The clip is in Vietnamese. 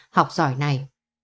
học giỏi này